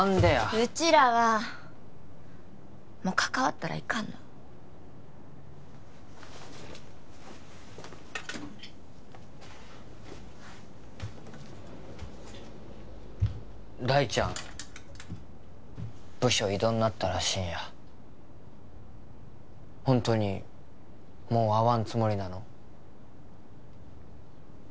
うちらはもう関わったらいかんの大ちゃん部署異動になったらしいんやほんとにもう会わんつもりなの？